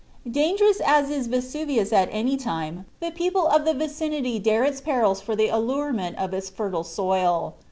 Dangerous as is Vesuvius at any time, the people of the vicinity dare its perils for the allurement of its fertile soil.